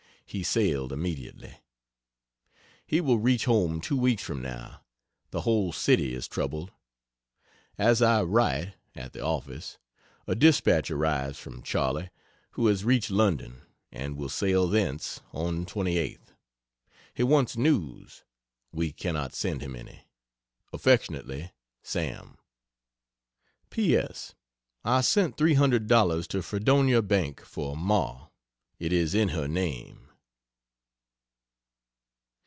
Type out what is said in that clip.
He sailed immediately. He will reach home two weeks from now. The whole city is troubled. As I write (at the office,) a dispatch arrives from Charley who has reached London, and will sail thence on 28th. He wants news. We cannot send him any. Affectionately SAM. P. S. I sent $300 to Fredonia Bank for Ma It is in her name.